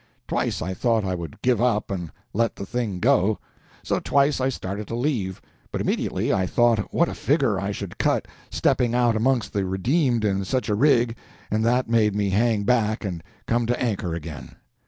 Twice I thought I would give up and let the thing go; so twice I started to leave, but immediately I thought what a figure I should cut stepping out amongst the redeemed in such a rig, and that made me hang back and come to anchor again.